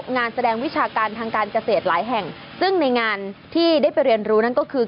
งานแสดงวิชาการทางการเกษตรหลายแห่งซึ่งในงานที่ได้ไปเรียนรู้นั่นก็คือ